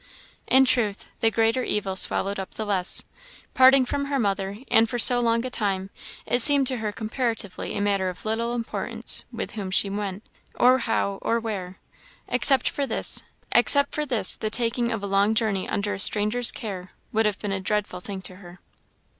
In truth, the greater evil swallowed up the less. Parting from her mother, and for so long a time, it seemed to her comparatively a matter of little importance with whom she went, or how, or where. Except for this, the taking a long journey under a stranger's care? would have been a dreadful thing to her.